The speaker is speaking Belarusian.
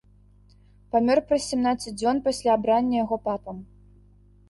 Памёр праз сямнаццаць дзён пасля абрання яго папам.